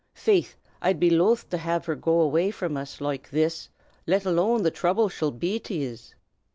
Faith, I'd be loth to lave her go away from uz loike this, let alone the throuble she'll be to yez!"